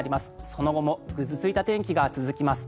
その後もぐずついた天気が続きます。